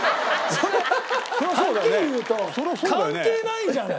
はっきり言うと関係ないじゃない！